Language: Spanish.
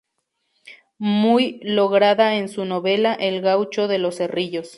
Muy lograda es su novela "El gaucho de los cerrillos".